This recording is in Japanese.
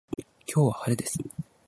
今日は晴れです